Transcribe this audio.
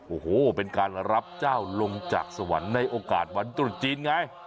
โอ้โหเป็นการรับเจ้าลงจากสวรรค์ในโอกาสวันตรุษจีนไง